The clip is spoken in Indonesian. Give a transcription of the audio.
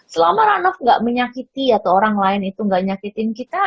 selama ranof gak menyakiti atau orang lain itu nggak nyakitin kita